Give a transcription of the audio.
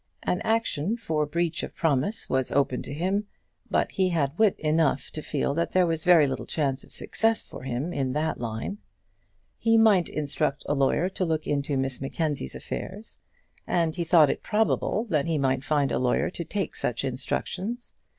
An action for breach of promise was open to him, but he had wit enough to feel that there was very little chance of success for him in that line. He might instruct a lawyer to look into Miss Mackenzie's affairs, and he thought it probable that he might find a lawyer to take such instructions.